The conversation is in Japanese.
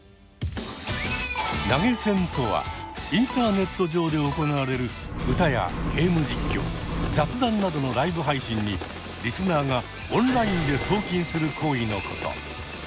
投げ銭とはインターネット上で行われる歌やゲーム実況雑談などのライブ配信にリスナーがオンラインで送金する行為のこと。